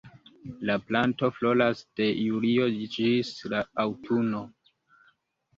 La planto floras de julio ĝis la aŭtuno.